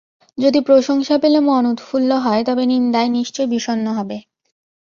যদি প্রশংসা পেলে মন উৎফুল্ল হয়, তবে নিন্দায় নিশ্চয় বিষণ্ণ হবে।